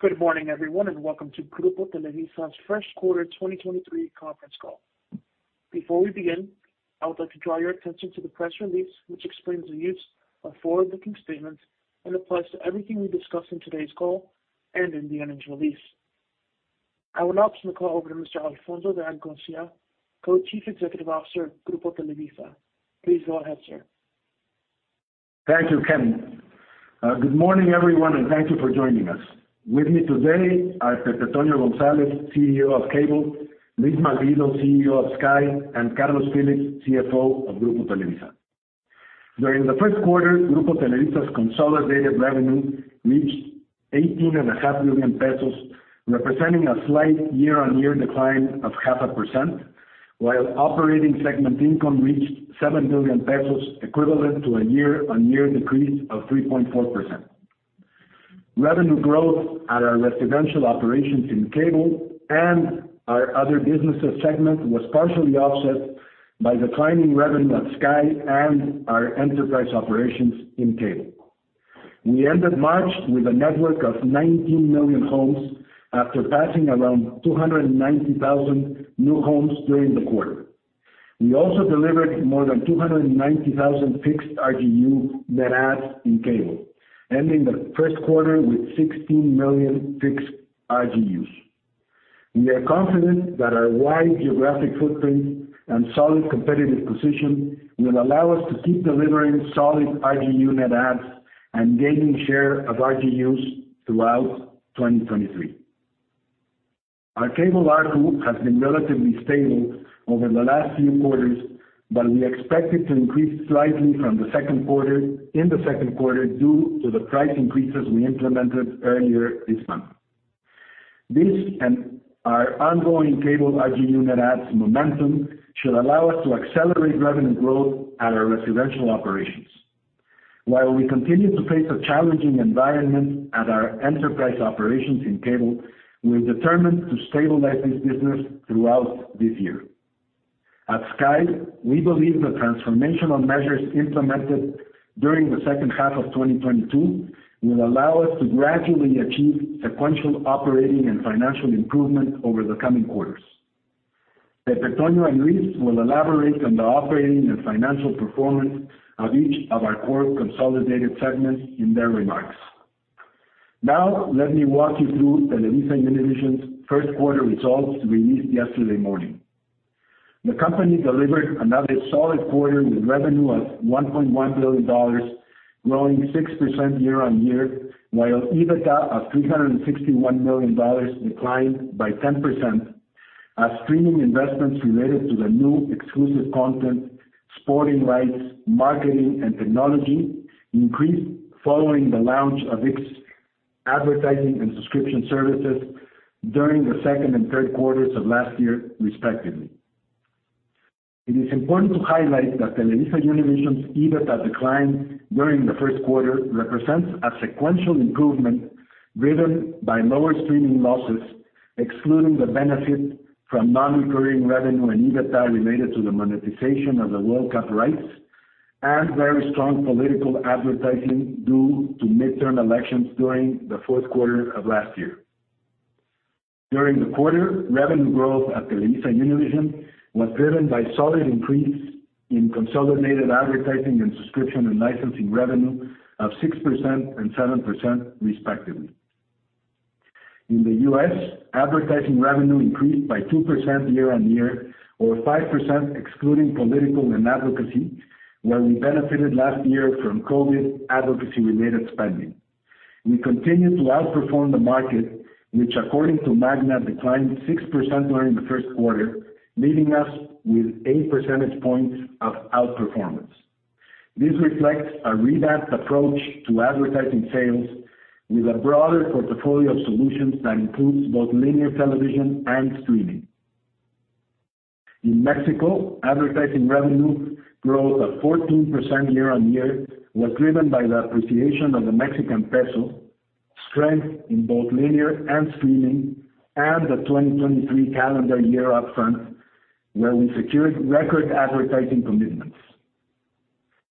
Good morning, everyone, welcome to Grupo Televisa's first quarter 2023 conference call. Before we begin, I would like to draw your attention to the press release, which explains the use of forward-looking statements and applies to everything we discuss in today's call and in the earnings release. I will now turn the call over to Mr. Alfonso de Angoitia, Co-Chief Executive Officer, Grupo Televisa. Please go ahead, sir. Thank you, Ken. Good morning, everyone, and thank you for joining us. With me today are Pepe Toño González, CEO of Cable, Luis Malvido, CEO of Sky, and Carlos Phillips, CFO of Grupo Televisa. During the first quarter, Grupo Televisa's consolidated revenue reached eighteen and a half million pesos, representing a slight year-on-year decline of 0.5%, while operating segment income reached 7 million pesos, equivalent to a year-on-year decrease of 3.4%. Revenue growth at our residential operations in Cable and our other businesses segment was partially offset by declining revenue at Sky and our enterprise operations in Cable. We ended March with a network of 19 million homes after passing around 290,000 new homes during the quarter. We also delivered more than 290,000 fixed RGU net adds in Cable, ending the first quarter with 16 million fixed RGUs. We are confident that our wide geographic footprint and solid competitive position will allow us to keep delivering solid RGU net adds and gaining share of RGUs throughout 2023. Our Cable RGU has been relatively stable over the last few quarters, we expect it to increase slightly in the second quarter due to the price increases we implemented earlier this month. This our ongoing Cable RGU net adds momentum should allow us to accelerate revenue growth at our residential operations. While we continue to face a challenging environment at our enterprise operations in Cable, we are determined to stabilize this business throughout this year. At Sky, we believe the transformational measures implemented during the second half of 2022 will allow us to gradually achieve sequential operating and financial improvement over the coming quarters. Pepe Toño and Luis will elaborate on the operating and financial performance of each of our core consolidated segments in their remarks. Let me walk you through TelevisaUnivision's first quarter results released yesterday morning. The company delivered another solid quarter with revenue of $1.1 billion, growing 6% year-over-year, while EBITDA of $361 million declined by 10% as streaming investments related to the new exclusive content, sporting rights, marketing, and technology increased following the launch of its advertising and subscription services during the second and third quarters of last year, respectively. It is important to highlight that TelevisaUnivision's EBITDA decline during the first quarter represents a sequential improvement driven by lower streaming losses, excluding the benefit from non-recurring revenue and EBITDA related to the monetization of the World Cup rights and very strong political advertising due to midterm elections during the fourth quarter of last year. During the quarter, revenue growth at TelevisaUnivision was driven by solid increase in consolidated advertising and subscription and licensing revenue of 6% and 7%, respectively. In the U.S., advertising revenue increased by 2% year-on-year or 5% excluding political and advocacy, while we benefited last year from COVID advocacy related spending. We continue to outperform the market, which according to MAGNA, declined 6% during the first quarter, leaving us with 8% points of outperformance. This reflects a revamped approach to advertising sales with a broader portfolio of solutions that includes both linear television and streaming. In Mexico, advertising revenue growth of 14% year-on-year was driven by the appreciation of the Mexican peso, strength in both linear and streaming, and the 2023 calendar year upfront, where we secured record advertising commitments.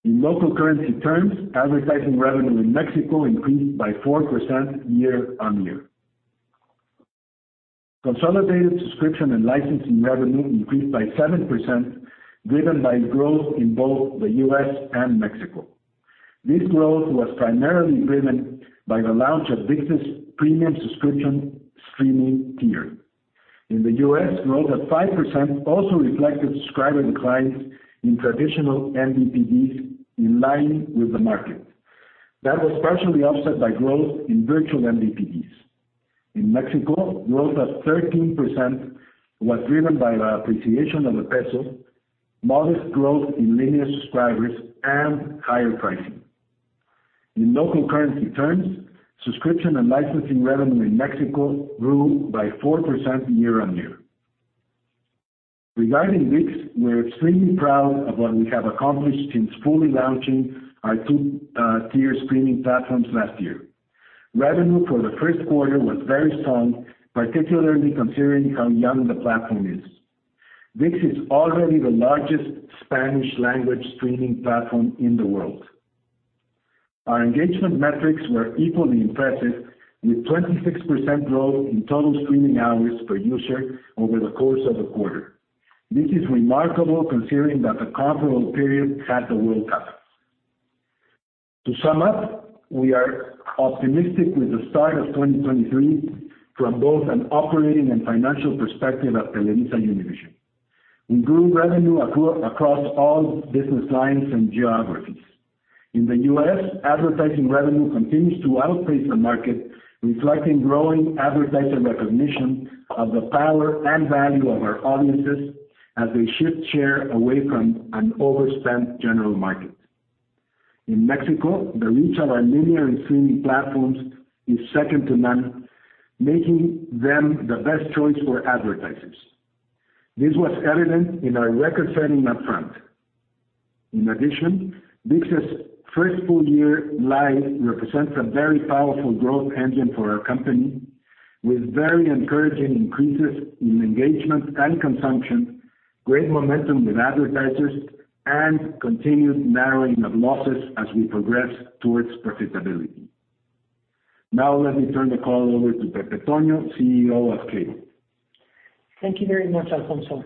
In local currency terms, advertising revenue in Mexico increased by 4% year-on-year. Consolidated subscription and licensing revenue increased by 7%, driven by growth in both the U.S. and Mexico. This growth was primarily driven by the launch of ViX+'s premium subscription streaming tier. In the U.S., growth at 5% also reflected subscriber declines in traditional MVPDs in line with the market. That was partially offset by growth in virtual MVPDs. In Mexico, growth at 13% was driven by the appreciation of the peso, modest growth in linear subscribers, and higher pricing. In local currency terms, subscription and licensing revenue in Mexico grew by 4% year-on-year. Regarding ViX, we're extremely proud of what we have accomplished since fully launching our 2-tier streaming platforms last year. Revenue for the first quarter was very strong, particularly considering how young the platform is. This is already the largest Spanish language streaming platform in the world. Our engagement metrics were equally impressive, with 26% growth in total streaming hours per user over the course of the quarter. This is remarkable considering that the comparable period had the World Cup. To sum up, we are optimistic with the start of 2023 from both an operating and financial perspective at TelevisaUnivision. We grew revenue across all business lines and geographies. In the U.S., advertising revenue continues to outpace the market, reflecting growing advertiser recognition of the power and value of our audiences as they shift share away from an overspent general market. In Mexico, the reach of our linear and streaming platforms is second to none, making them the best choice for advertisers. This was evident in our record-setting upfront. In addition, ViX's first full year live represents a very powerful growth engine for our company, with very encouraging increases in engagement and consumption, great momentum with advertisers, and continued narrowing of losses as we progress towards profitability. Let me turn the call over to Pepe Toño, CEO of Cable. Thank you very much, Alfonso.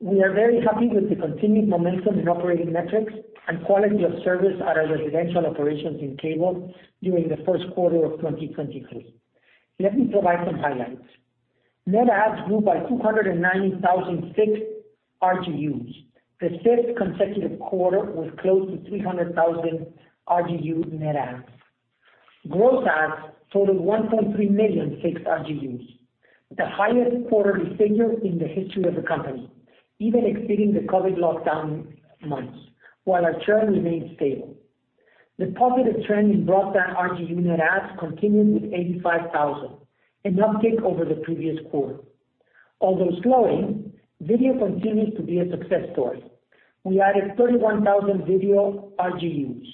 We are very happy with the continued momentum in operating metrics and quality of service at our residential operations in Cable during the first quarter of 2023. Let me provide some highlights. Net adds grew by 296,000 RGUs, the fifth consecutive quarter with close to 300,000 RGU net adds. Gross adds totaled 1.3 million fixed RGUs, the highest quarterly figure in the history of the company, even exceeding the COVID lockdown months, while our churn remained stable. The positive trend in broadband RGU net adds continued with 85,000, an uptick over the previous quarter. Although slowing, video continues to be a success story. We added 31,000 video RGUs.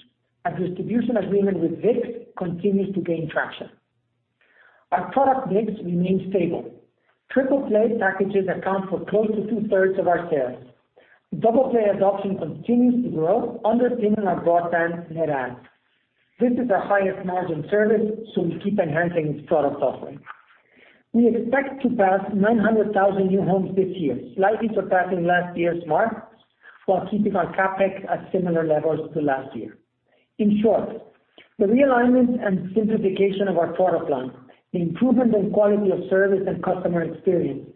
Our distribution agreement with ViX continues to gain traction. Our product mix remains stable. Triple play packages account for close to two-thirds of our sales. Double play adoption continues to grow, underpinning our broadband net adds. This is our highest margin service, so we keep enhancing its product offering. We expect to pass 900,000 new homes this year, slightly surpassing last year's marks while keeping our CapEx at similar levels to last year. In short, the realignment and simplification of our product line, the improvement in quality of service and customer experience,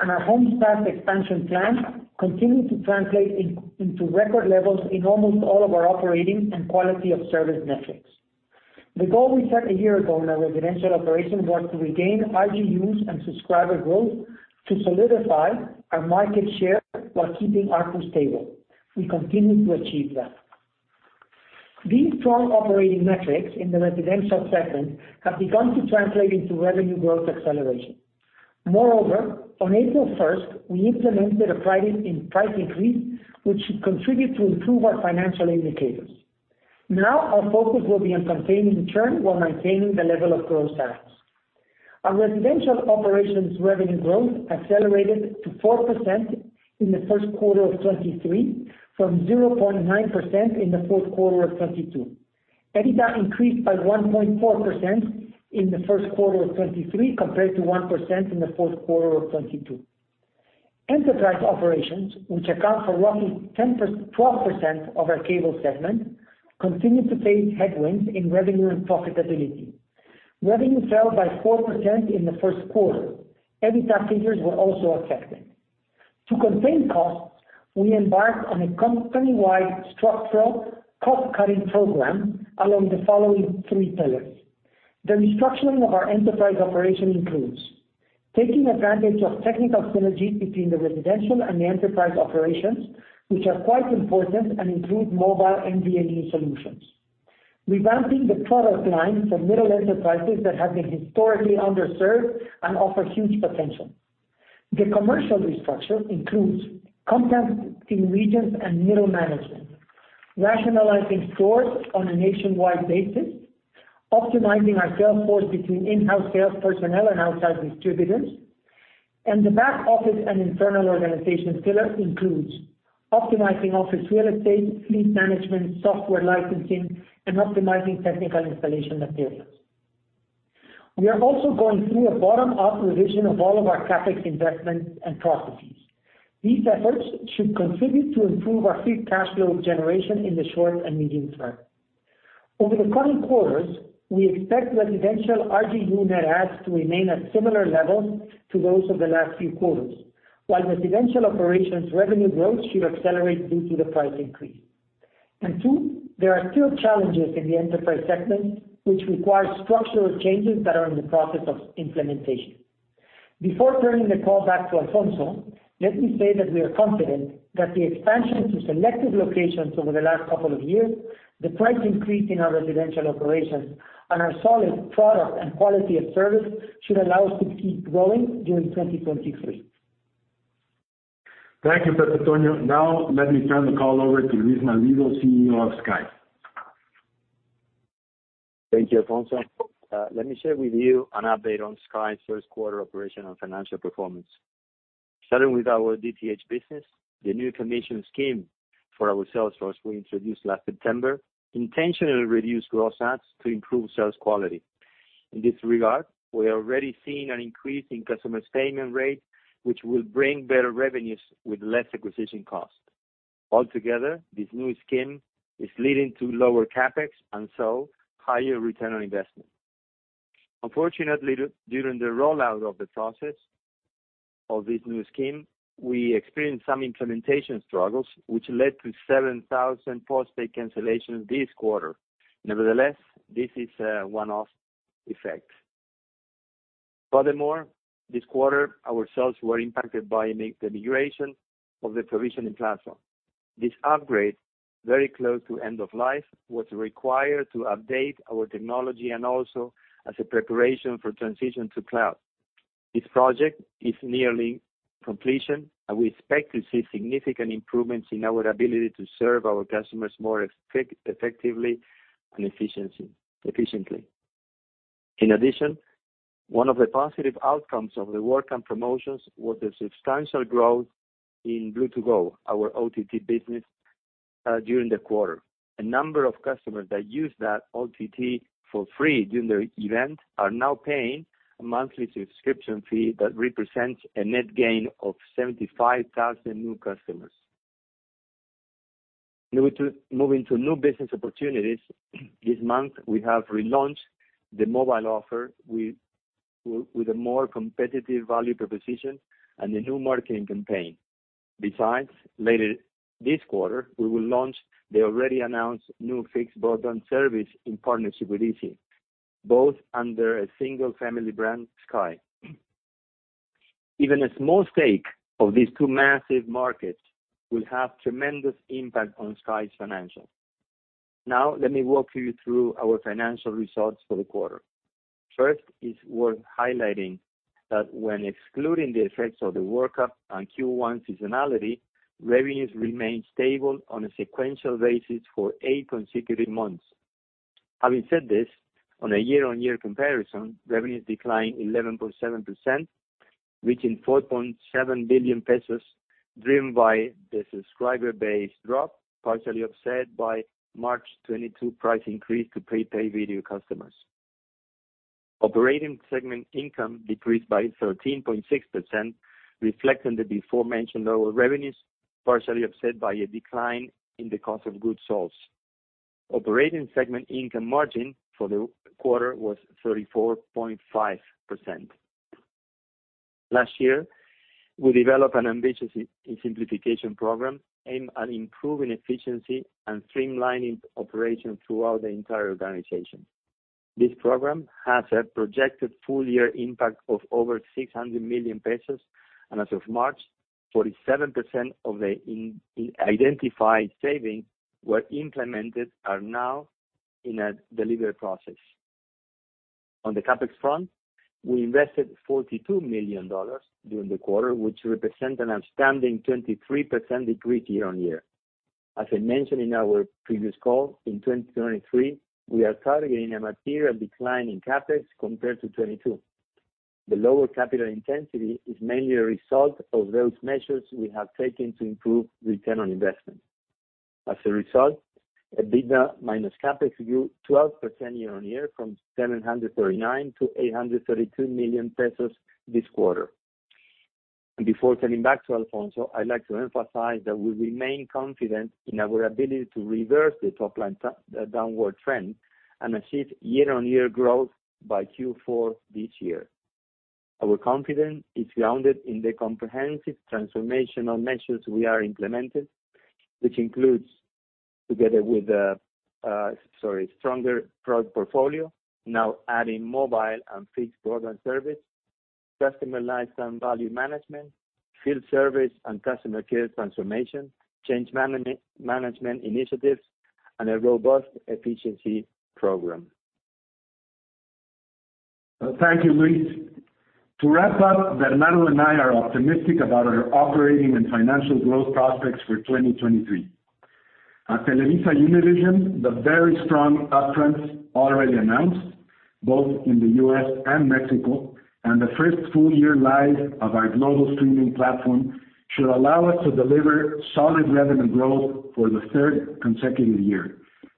and our home staff expansion plan continue to translate into record levels in almost all of our operating and quality of service metrics. The goal we set a year ago in our residential operation was to regain RGUs and subscriber growth to solidify our market share while keeping ARPU stable. We continue to achieve that. These strong operating metrics in the residential segment have begun to translate into revenue growth acceleration. Moreover, on April 1, we implemented a price increase, which should contribute to improve our financial indicators. Our focus will be on containing churn while maintaining the level of gross adds. Our residential operations revenue growth accelerated to 4% in the first quarter of 2023, from 0.9% in the fourth quarter of 2022. EBITDA increased by 1.4% in the first quarter of 2023, compared to 1% in the fourth quarter of 2022. Enterprise operations, which account for roughly 12% of our Cable segment, continued to face headwinds in revenue and profitability. Revenue fell by 4% in the first quarter. EBITDA figures were also affected. To contain costs, we embarked on a company-wide structural cost-cutting program along the following three pillars. The restructuring of our enterprise operation includes taking advantage of technical synergies between the residential and the enterprise operations, which are quite important and include mobile MVNE solutions. Revamping the product line for middle enterprises that have been historically underserved and offer huge potential. The commercial restructure includes compacting regions and middle management, rationalizing stores on a nationwide basis, optimizing our sales force between in-house sales personnel and outside distributors. The back office and internal organization pillar includes optimizing office real estate, fleet management, software licensing, and optimizing technical installation materials. We are also going through a bottom-up revision of all of our CapEx investments and processes. These efforts should contribute to improve our free cash flow generation in the short and medium term. Over the coming quarters, we expect residential RGU net adds to remain at similar levels to those of the last few quarters, while residential operations revenue growth should accelerate due to the price increase. Two, there are still challenges in the enterprise segment which require structural changes that are in the process of implementation. Before turning the call back to Alfonso, let me say that we are confident that the expansion to selected locations over the last couple of years, the price increase in our residential operations, and our solid product and quality of service should allow us to keep growing during 2023. Thank you, Pepe Toño. Let me turn the call over to Luis Malvido, CEO of Sky. Thank you, Alfonso. Let me share with you an update on Sky's first quarter operational financial performance. Starting with our DTH business, the new commission scheme for our sales force we introduced last September intentionally reduced gross adds to improve sales quality. In this regard, we are already seeing an increase in customer statement rate, which will bring better revenues with less acquisition costs. Altogether, this new scheme is leading to lower CapEx, and so higher return on investment. Unfortunately, during the rollout of the process of this new scheme, we experienced some implementation struggles which led to 7,000 post-paid cancellations this quarter. Nevertheless, this is a one-off effect. Furthermore, this quarter, our sales were impacted by the migration of the provisioning platform. This upgrade, very close to end of life, was required to update our technology and also as a preparation for transition to cloud. This project is nearly completion, and we expect to see significant improvements in our ability to serve our customers more effectively and efficiently. In addition, one of the positive outcomes of the World Cup promotions was the substantial growth in Blue To Go, our OTT business, during the quarter. A number of customers that used that OTT for free during the event are now paying a monthly subscription fee that represents a net gain of 75,000 new customers. Moving to new business opportunities, this month we have relaunched the mobile offer with a more competitive value proposition and a new marketing campaign. Besides, later this quarter, we will launch the already announced new fixed broadband service in partnership with izzi, both under a single family brand, Sky. Even a small stake of these two massive markets will have tremendous impact on Sky's financials. Now, let me walk you through our financial results for the quarter. First, it's worth highlighting that when excluding the effects of the World Cup on Q1 seasonality, revenues remained stable on a sequential basis for eight consecutive months. Having said this, on a year-on-year comparison, revenues declined 11.7%, reaching 4.7 billion pesos, driven by the subscriber base drop, partially offset by March 22 price increase to prepaid video customers. Operating segment income decreased by 13.6%, reflecting the beforementioned lower revenues, partially offset by a decline in the cost of goods sold. Operating segment income margin for the quarter was 34.5%. Last year, we developed an ambitious simplification program aimed at improving efficiency and streamlining operations throughout the entire organization. This program has a projected full year impact of over 600 million pesos, and as of March, 47% of the identified savings were implemented are now in a delivery process. On the CapEx front, we invested $42 million during the quarter, which represent an outstanding 23% decrease year-on-year. As I mentioned in our previous call, in 2023, we are targeting a material decline in CapEx compared to 2022. The lower capital intensity is mainly a result of those measures we have taken to improve return on investment. As a result, EBITDA minus CapEx grew 12% year-on-year from 739 million to 832 million pesos this quarter. Before turning back to Alfonso, I'd like to emphasize that we remain confident in our ability to reverse the top line downward trend and achieve year-on-year growth by Q4 this year. Our confidence is grounded in the comprehensive transformational measures we are implemented, which includes, together with the, sorry, stronger product portfolio, now adding mobile and fixed broadband service, customer lifetime value management, field service and customer care transformation, management initiatives, and a robust efficiency program. Thank you, Luis. To wrap up, Bernardo and I are optimistic about our operating and financial growth prospects for 2023. At TelevisaUnivision, the very strong uptrends already announced, both in the U.S. and Mexico, and the first full year live of our global streaming platform should allow us to deliver solid revenue growth for the third consecutive year.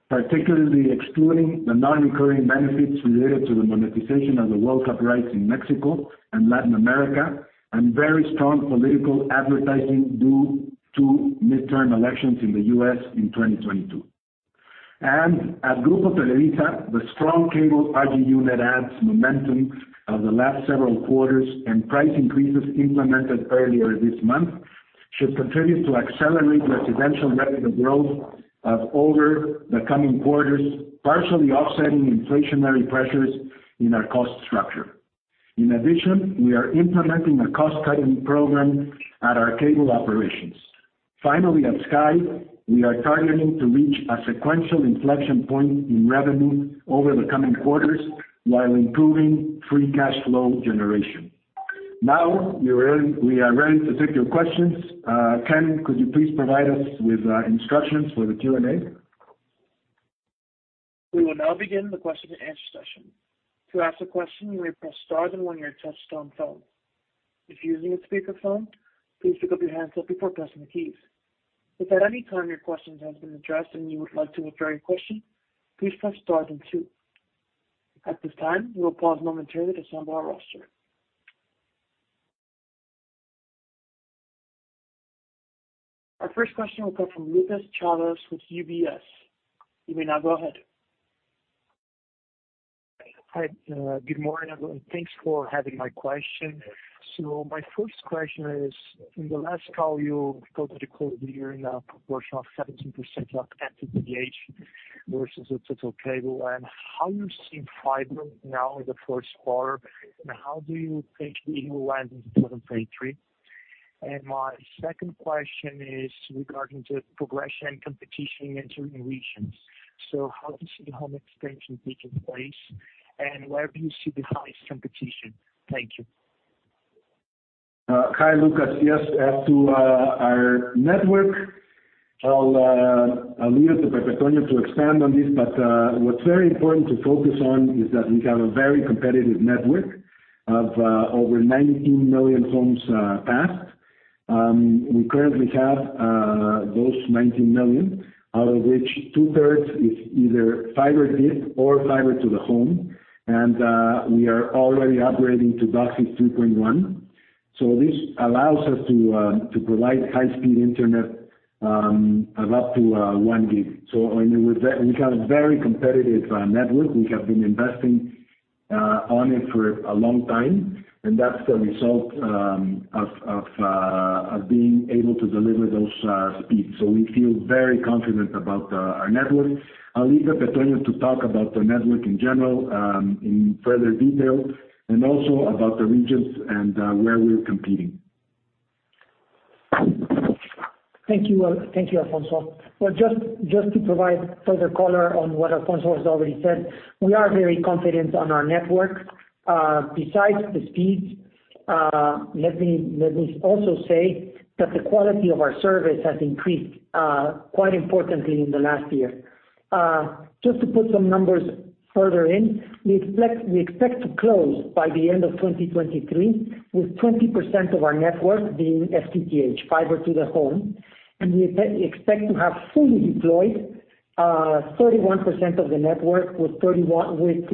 Particularly excluding the non-recurring benefits related to the monetization of the World Cup rights in Mexico and Latin America, and very strong political advertising due to midterm elections in the U.S. in 2022. At Grupo Televisa, the strong Cable RGU net adds momentum of the last several quarters and price increases implemented earlier this month should continue to accelerate residential revenue growth of over the coming quarters, partially offsetting inflationary pressures in our cost structure. In addition, we are implementing a cost-cutting program at our Cable operations. Finally, at Sky, we are targeting to reach a sequential inflection point in revenue over the coming quarters while improving free cash flow generation. Now we are ready to take your questions. Ken, could you please provide us with instructions for the Q&A? We will now begin the question-and-answer session. To ask a question, you may press star then one on your touchtone phone. If you're using a speakerphone, please pick up your handset before pressing the keys. If at any time your question has been addressed and you would like to withdraw your question, please press star then two. At this time, we will pause momentarily to assemble our roster. Our first question will come from Lucas Chaves with UBS. You may now go ahead. Hi. Good morning, everyone. Thanks for having my question. My first question is: In the last call, you quoted a quote of the year in a proportion of 17% of ARPU versus the total Cable. How you're seeing fiber now in the first quarter, and how do you think it will end in 2023? My second question is regarding the progression and competition in certain regions. How do you see the home expansion taking place, and where do you see the highest competition? Thank you. Hi, Lucas. Yes, as to our network, I'll leave it to Pepe Antonio to expand on this. What's very important to focus on is that we have a very competitive network of over 19 million homes passed. We currently have those 19 million, out of which two-thirds is either fiber deep or fiber to the home. We are already upgrading to DOCSIS 3.1. This allows us to provide high-speed internet of up to 1 gig. We have a very competitive network. We have been investing on it for a long time, and that's the result of being able to deliver those speeds. We feel very confident about our network. I'll leave Pepe Antonio to talk about the network in general, in further detail, and also about the regions and where we're competing. Thank you. Thank you, Alfonso. Well, just to provide further color on what Alfonso has already said, we are very confident on our network. Besides the speeds, let me also say that the quality of our service has increased quite importantly in the last year. Just to put some numbers further in, we expect to close by the end of 2023 with 20% of our network being FTTH, fiber to the home. We expect to have fully deployed 31% of the network with DOCSIS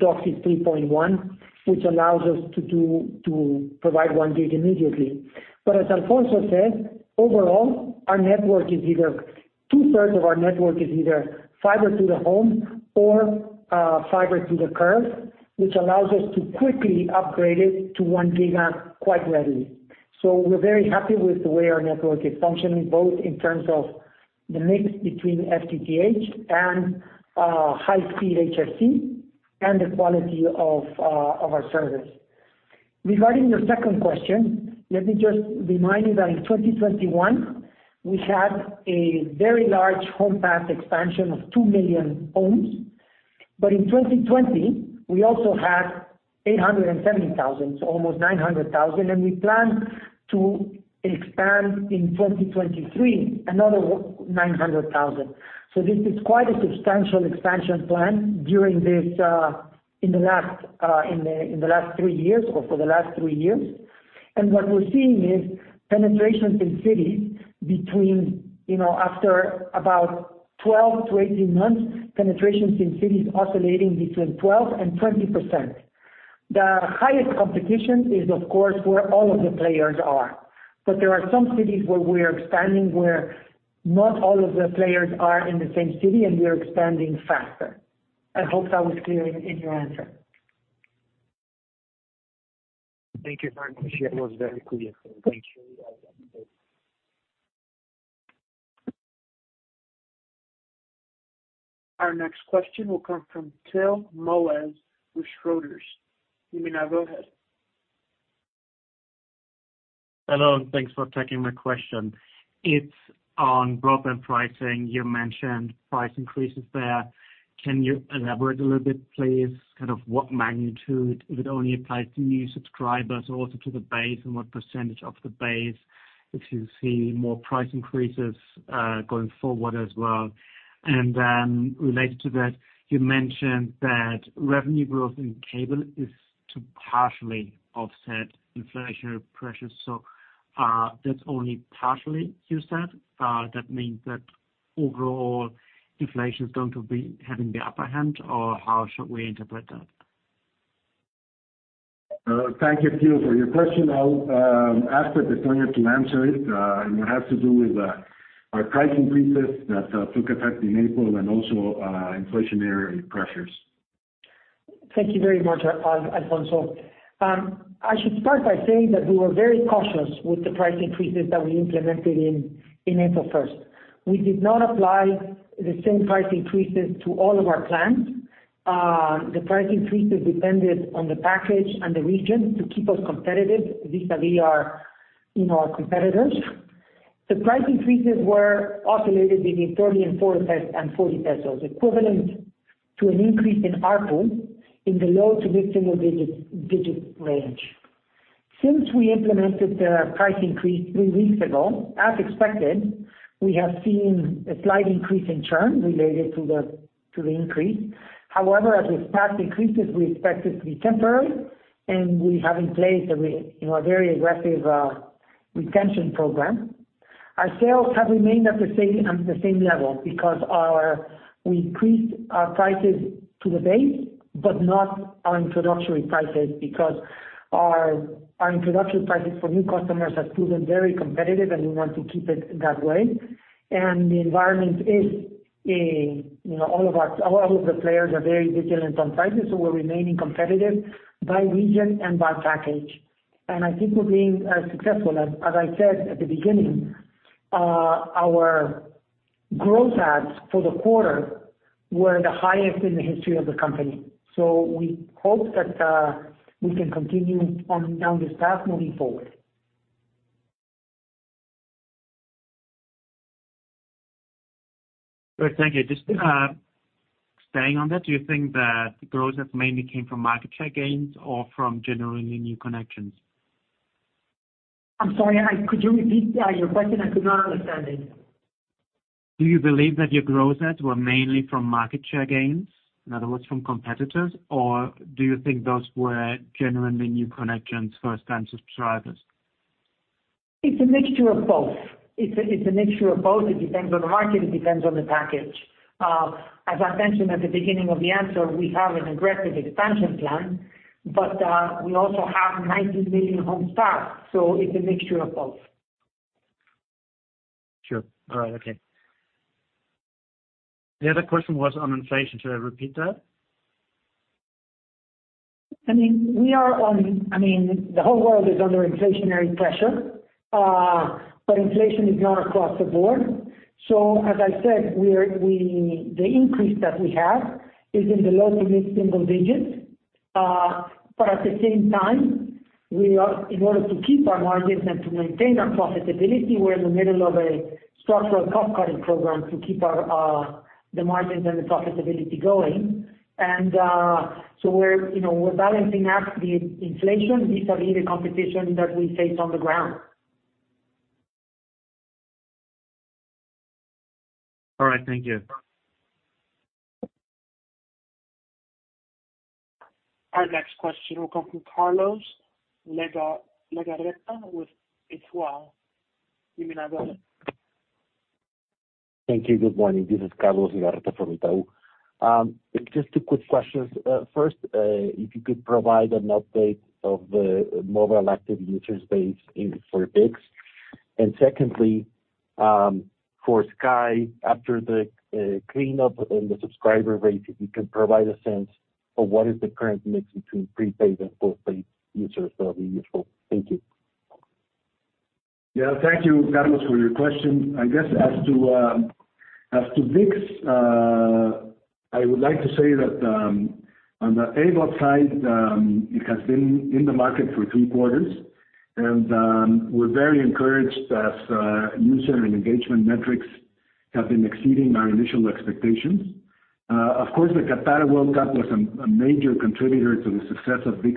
3.1, which allows us to provide 1 gig immediately. As Alfonso said, overall, two-thirds of our network is either fiber to the home or fiber to the curb, which allows us to quickly upgrade it to 1 gig quite readily. We're very happy with the way our network is functioning, both in terms of the mix between FTTH and high-speed HFC and the quality of our service. Regarding your second question, let me just remind you that in 2021, we had a very large home pass expansion of 2 million homes. In 2020, we also had 870,000, so almost 900,000, and we plan to expand in 2023 another 900,000. This is quite a substantial expansion plan during this in the last three years or for the last three years. What we're seeing is penetrations in cities between, you know, after about 12-18 months, penetrations in cities oscillating between 12% and 20%. The highest competition is, of course, where all of the players are. There are some cities where we are expanding where not all of the players are in the same city, and we are expanding faster. I hope that was clear in your answer. Thank you very much. It was very clear. Thank you. Our next question will come from Till Moles with Schroders. You may now go ahead. Hello, thanks for taking my question. It's on broadband pricing. You mentioned price increases there. Can you elaborate a little bit, please? Kind of what magnitude? If it only applies to new subscribers or also to the base, and what % of the base? If you see more price increases going forward as well. Related to that, you mentioned that revenue growth in Cable is to partially offset inflationary pressures. That's only partially you said? That means that overall inflation is going to be having the upper hand, or how should we interpret that? Thank you, Till, for your question. I'll ask Pepe Antonio to answer it. It has to do with our pricing increases that took effect in April and also inflationary pressures. Thank you very much, Alfonso. I should start by saying that we were very cautious with the price increases that we implemented in April first. We did not apply the same price increases to all of our plans. The price increases depended on the package and the region to keep us competitive vis-a-vis our, you know, our competitors. The price increases oscillated between 30 and 40 pesos, equivalent to an increase in ARPU in the low to mid-single digit % range. Since we implemented the price increase 3 weeks ago, as expected, we have seen a slight increase in churn related to the increase. However, as with past increases, we expect it to be temporary, and we have in place a, you know, a very aggressive retention program. Our sales have remained at the same level because we increased our prices to the base, but not our introductory prices because our introductory prices for new customers have proven very competitive, we want to keep it that way. The environment is, you know, all of the players are very vigilant on prices, we're remaining competitive by region and by package. I think we're being successful. As I said at the beginning, our gross adds for the quarter were the highest in the history of the company. We hope that we can continue on this path moving forward. Great. Thank you. Just staying on that, do you think that the growth has mainly came from market share gains or from genuinely new connections? I'm sorry. Could you repeat, your question? I could not understand it. Do you believe that your growth adds were mainly from market share gains, in other words, from competitors? Do you think those were genuinely new connections, first-time subscribers? It's a mixture of both. It's a mixture of both. It depends on the market. It depends on the package. As I mentioned at the beginning of the answer, we have an aggressive expansion plan, but we also have 19 million homes passed, so it's a mixture of both. Sure. All right. Okay. The other question was on inflation. Should I repeat that? I mean, the whole world is under inflationary pressure, but inflation is not across the board. As I said, we're the increase that we have is in the low to mid-single digits. But at the same time, we are, in order to keep our margins and to maintain our profitability, we're in the middle of a structural cost-cutting program to keep our, the margins and the profitability going. We're, you know, we're balancing out the inflation vis-a-vis the competition that we face on the ground. All right. Thank you. Our next question will come from Carlos Legarreta with Itaú. You may now go ahead. Thank you. Good morning. This is Carlos Legarreta from Itaú. Just two quick questions. First, if you could provide an update of the mobile active user base for ViX. Secondly, for Sky, after the cleanup and the subscriber base, if you can provide a sense of what is the current mix between prepaid and postpaid users that'll be useful. Thank you. Yeah. Thank you, Carlos, for your question. I guess as to, as to ViX, I would like to say that on the AVOD side, it has been in the market for 3 quarters, and we're very encouraged that user and engagement metrics have been exceeding our initial expectations. Of course, the Qatar World Cup was a major contributor to the success of ViX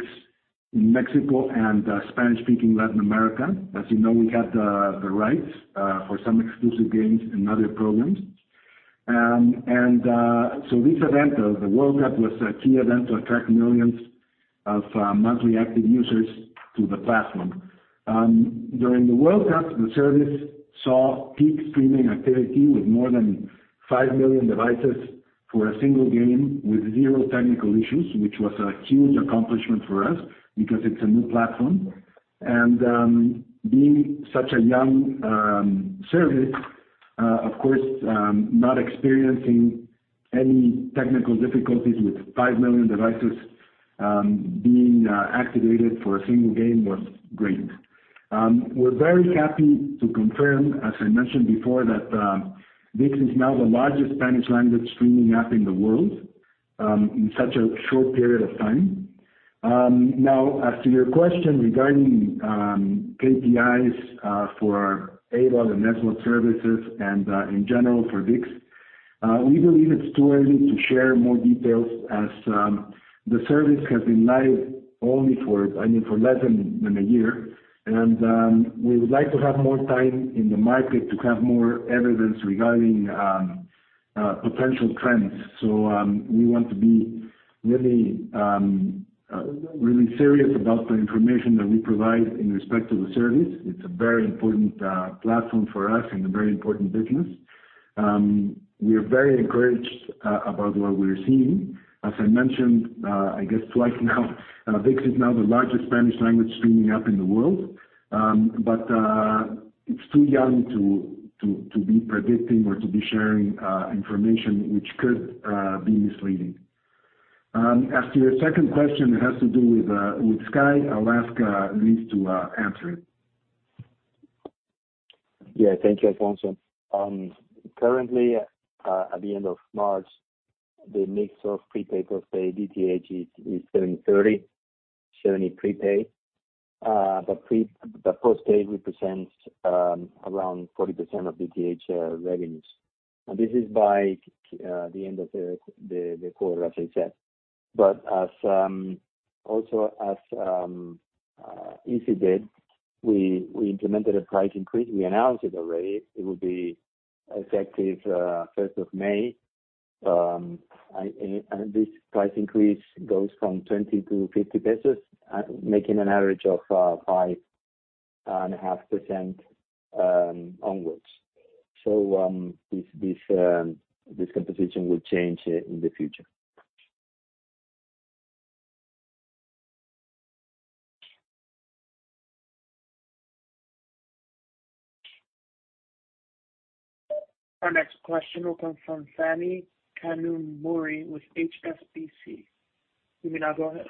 in Mexico and Spanish-speaking Latin America. As you know, we have the rights for some exclusive games and other programs. This event, the World Cup, was a key event to attract millions of monthly active users to the platform. During the World Cup, the service saw peak streaming activity with more than 5 million devices for a single game with 0 technical issues, which was a huge accomplishment for us because it's a new platform. Being such a young service, of course, not experiencing any technical difficulties with 5 million devices being activated for a single game was great. We're very happy to confirm, as I mentioned before, that ViX is now the largest Spanish language streaming app in the world in such a short period of time. Now, as to your question regarding KPIs for AVOD and SVOD services and in general for ViX, we believe it's too early to share more details as the service has been live only for, I mean, for less than a year. We would like to have more time in the market to have more evidence regarding potential trends. We want to be really, really serious about the information that we provide in respect to the service. It's a very important platform for us and a very important business. We are very encouraged about what we're seeing. As I mentioned, I guess twice now, ViX is now the largest Spanish language streaming app in the world. It's too young to be predicting or to be sharing information which could be misleading. As to your second question, it has to do with Sky. Alaska needs to answer it. Yeah. Thank you, Alfonso. Currently, at the end of March, the mix of prepaid or paid DTH is 730. 70 prepaid. But postpaid represents around 40% of the TH revenues. This is by the end of the quarter, as I said. As, also as Easy did, we implemented a price increase. We announced it already. It will be effective first of May. This price increase goes from 20-50 pesos, making an average of 5.5% onwards. This composition will change in the future. Our next question will come from Phani Kanumuri with HSBC. You may now go ahead.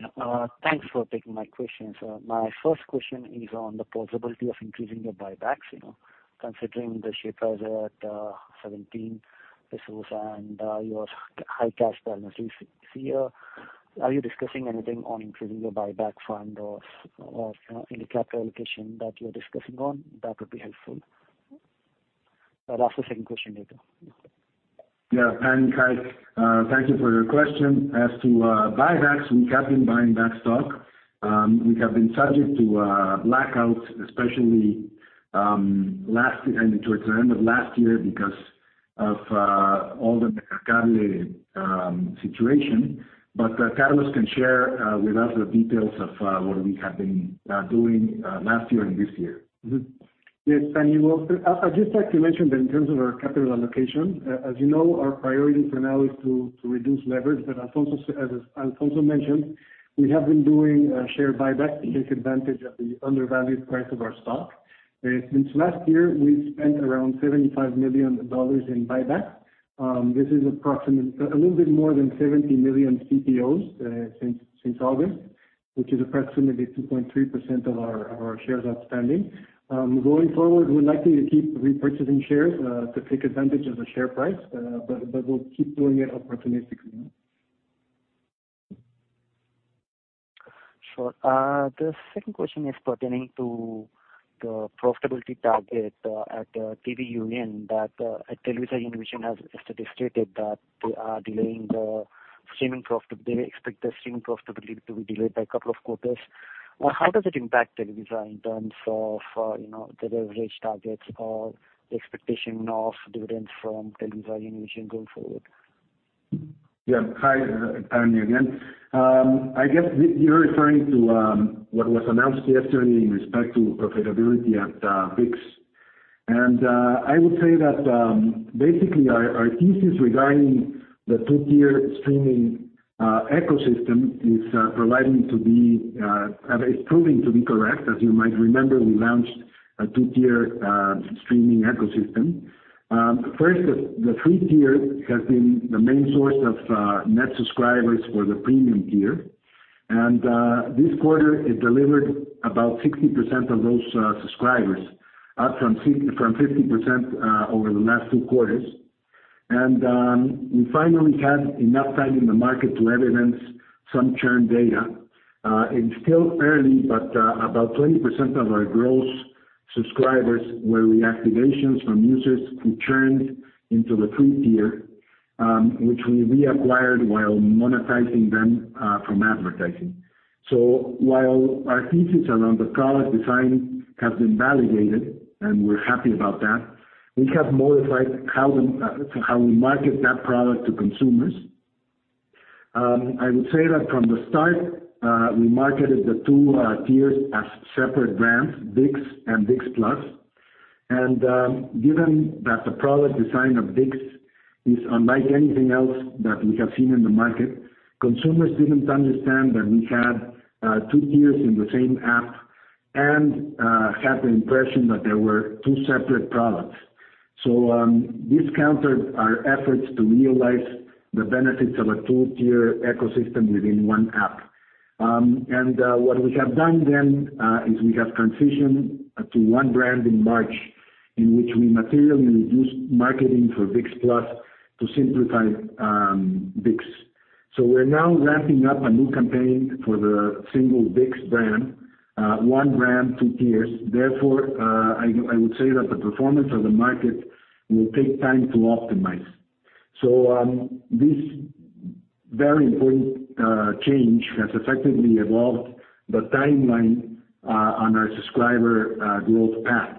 Yeah. Thanks for taking my questions. My first question is on the possibility of increasing your buybacks, you know, considering the share price at 17 pesos and, your high cash balances here. Are you discussing anything on increasing your buyback fund or in the capital allocation that you're discussing on? That would be helpful. I'll ask the second question later. Phani, hi. Thank you for your question. As to buybacks, we have been buying back stock. We have been subject to blackouts, especially towards the end of last year because of all the Cable situation. Carlos Phillips can share with us the details of what we have been doing last year and this year. Mm-hmm. Yes, Phani. Well, I'd just like to mention that in terms of our capital allocation, as you know, our priority for now is to reduce leverage. As Alfonso mentioned, we have been doing a share buyback to take advantage of the undervalued price of our stock. Since last year, we've spent around $75 million in buyback. This is a little bit more than 70 million CPOs since August, which is approximately 2.3% of our shares outstanding. Going forward, we're likely to keep repurchasing shares to take advantage of the share price, but we'll keep doing it opportunistically. Sure. The second question is pertaining to the profitability target at TelevisaUnivision has yesterday stated that they are delaying the streaming profit. They expect the streaming profitability to be delayed by a couple of quarters. How does it impact Televisa in terms of, you know, the leverage targets or the expectation of dividends from TelevisaUnivision going forward? Yeah. Hi, Phani again. I guess you're referring to what was announced yesterday in respect to profitability at ViX. I would say that basically our thesis regarding the two-tier streaming ecosystem is proving to be correct. As you might remember, we launched a two-tier streaming ecosystem. First, the free tier has been the main source of net subscribers for the premium tier. This quarter, it delivered about 60% of those subscribers, up from 50% over the last two quarters. We finally had enough time in the market to evidence some churn data. It's still early, about 20% of our gross subscribers were reactivations from users who churned into the free tier, which we reacquired while monetizing them from advertising. While our thesis around the product design has been validated, and we're happy about that, we have modified how we market that product to consumers. I would say that from the start, we marketed the 2 tiers as separate brands, ViX and ViX+. Given that the product design of ViX is unlike anything else that we have seen in the market, consumers didn't understand that we had 2 tiers in the same app and had the impression that they were 2 separate products. This countered our efforts to realize the benefits of a two-tier ecosystem within 1 app. What we have done then, is we have transitioned to one brand in March, in which we materially reduced marketing for ViX+ to simplify, ViX. We're now ramping up a new campaign for the single ViX brand, one brand, two tiers. I would say that the performance of the market will take time to optimize. This very important change has effectively evolved the timeline on our subscriber growth path.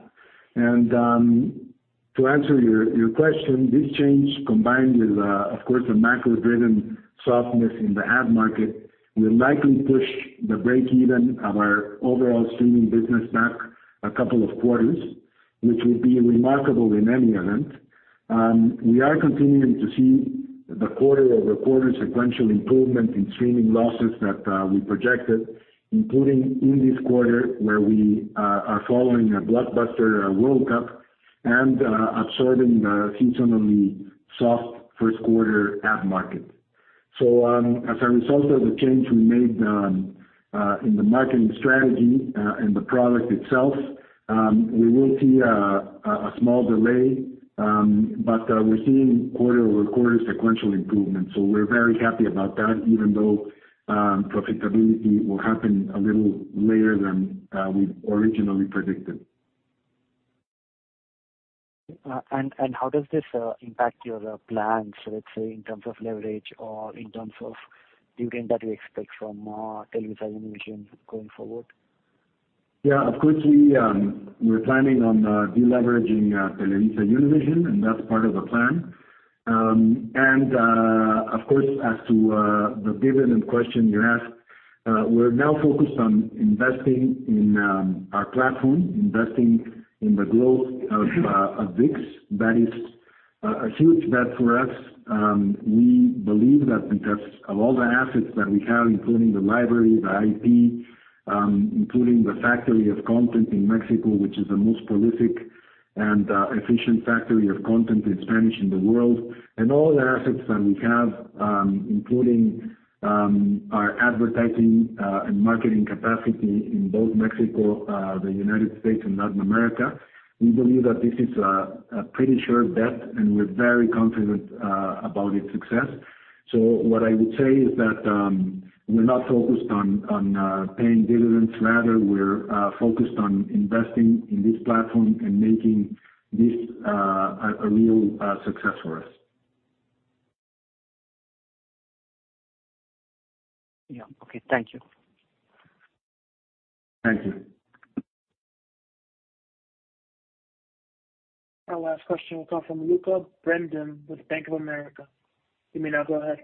To answer your question, this change, combined with, of course, the macro-driven softness in the ad market, will likely push the break-even of our overall streaming business back a couple of quarters, which will be remarkable in any event. We are continuing to see the quarter-over-quarter sequential improvement in streaming losses that we projected, including in this quarter, where we are following a blockbuster World Cup and absorbing the seasonally soft first quarter ad market. As a result of the change we made in the marketing strategy and the product itself, we will see a small delay, but we're seeing quarter-over-quarter sequential improvement. We're very happy about that, even though profitability will happen a little later than we'd originally predicted. How does this impact your plans, let's say, in terms of leverage or in terms of dividend that we expect from TelevisaUnivision going forward? Yeah. Of course, we're planning on de-leveraging TelevisaUnivision, and that's part of the plan. Of course, as to the dividend question you asked, we're now focused on investing in our platform, investing in the growth of ViX. That is a huge bet for us. We believe that because of all the assets that we have, including the library, the IP, including the factory of content in Mexico, which is the most prolific and efficient factory of content in Spanish in the world, and all the assets that we have, including our advertising and marketing capacity in both Mexico, the United States and Latin America, we believe that this is a pretty sure bet, and we're very confident about its success. What I would say is that, we're not focused on paying dividends. Rather, we're focused on investing in this platform and making this a real success for us. Yeah. Okay. Thank you. Thank you. Our last question will come from Lucca Brendim with Bank of America. You may now go ahead.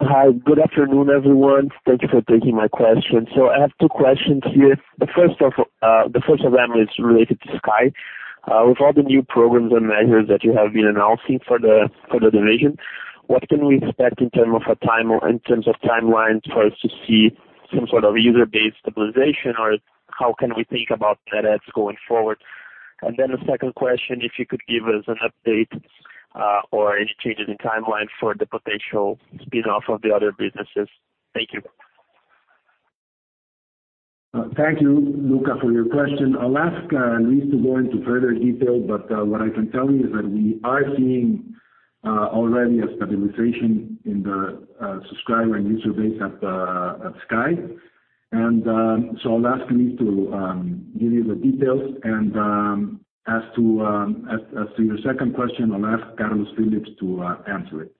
Hi. Good afternoon, everyone. Thank you for taking my question. I have two questions here. The first of them is related to Sky. With all the new programs and measures that you have been announcing for the division, what can we expect in term of a time or in terms of timelines for us to see some sort of user-based stabilization? How can we think about net adds going forward? The second question, if you could give us an update or any changes in timeline for the potential spin-off of the other businesses. Thank you. Thank you, Luca, for your question. I'll ask Luis to go into further detail, but what I can tell you is that we are seeing already a stabilization in the subscriber and user base at Sky. I'll ask Luis to give you the details. As to your second question, I'll ask Carlos Phillips to answer it.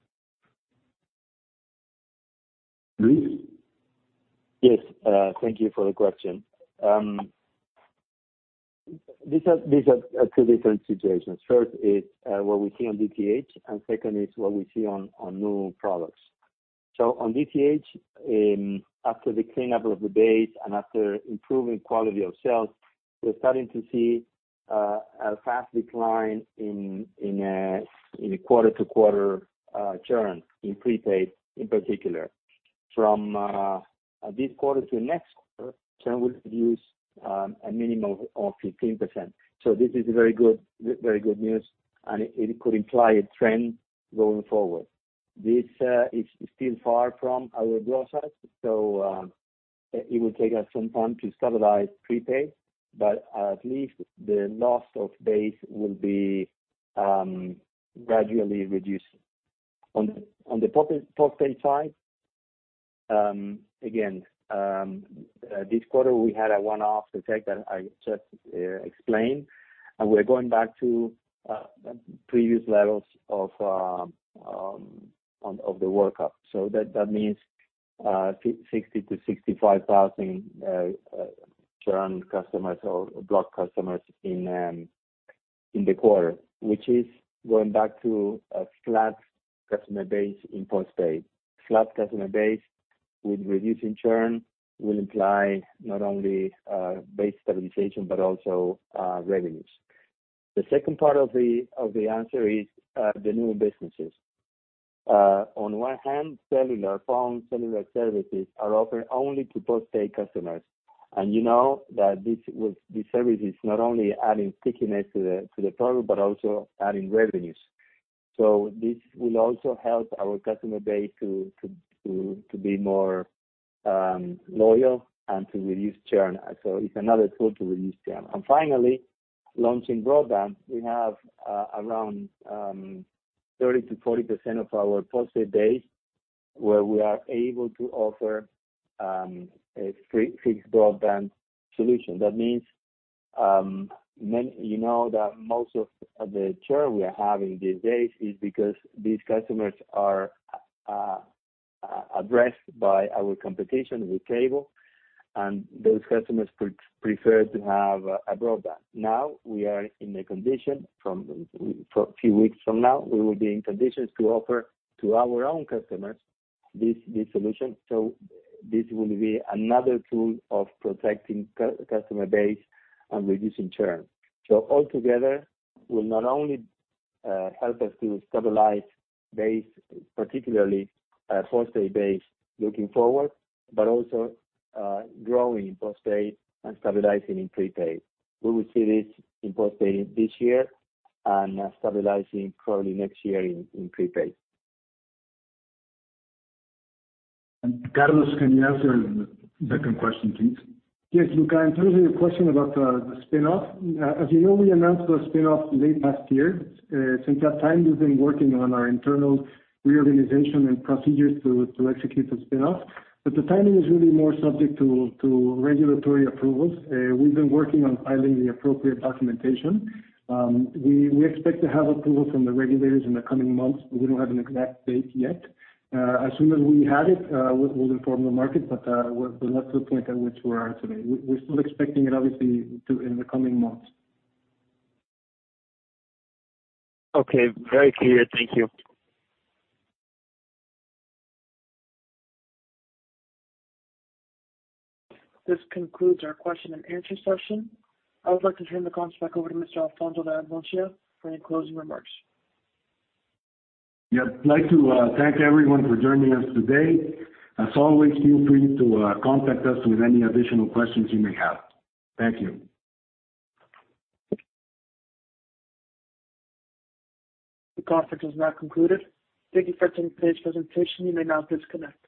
Luis? Yes. Thank you for the question. These are, these are two different situations. First is what we see on DTH, and second is what we see on new products. On DTH, after the cleanup of the base and after improving quality of sales, we're starting to see a fast decline in in quarter-to-quarter churn in prepaid, in particular. From this quarter to next quarter, churn will reduce a minimum of 15%. This is very good, very good news, and it could imply a trend going forward. This is still far from our process, so it will take us some time to stabilize prepaid, but at least the loss of base will be gradually reduced. On the postpaid side, again, this quarter, we had a one-off effect that I just explained, and we're going back to previous levels of the World Cup. That means 60,000-65,000 churn customers or blocked customers in the quarter, which is going back to a flat customer base in postpaid. Flat customer base with reduced churn will imply not only base stabilization, but also revenues. The second part of the answer is the new businesses. On one hand, cellular services are offered only to postpaid customers, and you know that this service is not only adding stickiness to the product but also adding revenues. This will also help our customer base to be more loyal and to reduce churn. It's another tool to reduce churn. Finally, launching broadband. We have around 30%-40% of our postpaid base where we are able to offer a free fixed broadband solution. That means, many, you know that most of the churn we are having these days is because these customers are addressed by our competition with cable, and those customers prefer to have a broadband. We are in a condition from, for a few weeks from now, we will be in conditions to offer to our own customers this solution. This will be another tool of protecting customer base and reducing churn. Altogether will not only help us to stabilize base, particularly postpaid base looking forward, but also growing in postpaid and stabilizing in prepaid. We will see this in postpaid this year and stabilizing probably next year in prepaid. Carlos, can you answer the second question, please? Yes, Luca. In terms of your question about the spin-off, as you know, we announced the spin-off late past year. Since that time, we've been working on our internal reorganization and procedures to execute the spin-off. The timing is really more subject to regulatory approvals. We've been working on filing the appropriate documentation. We expect to have approval from the regulators in the coming months, but we don't have an exact date yet. As soon as we have it, we'll inform the market, but we're not to a point at which we are today. We're still expecting it, obviously, to in the coming months. Okay. Very clear. Thank you. This concludes our question and answer session. I would like to turn the cons back over to Mr. Alfonso de Angoitia for any closing remarks. Yeah. I'd like to thank everyone for joining us today. As always, feel free to contact us with any additional questions you may have. Thank you. The conference has now concluded. Thank you for attending today's presentation. You may now disconnect.